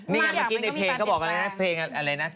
นี่ไงเมื่อกี้ในเพลงเขาบอกอะไรนะเพลงอะไรนะ